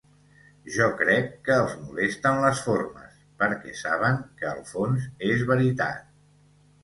Jo crec que els molesten les formes, perquè saben que el fons és veritat.